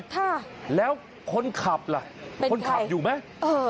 ค่ะแล้วคนขับล่ะคนขับอยู่ไหมเออ